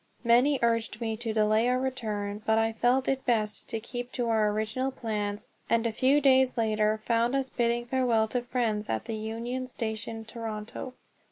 Many urged me to delay our return; but I felt it best to keep to our original plans, and a few days later found us bidding farewell to friends at the Union Station, Toronto.